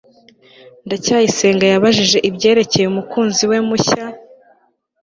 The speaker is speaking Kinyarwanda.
ndacyayisenga yabajije j ibyerekeye umukunzi we mushya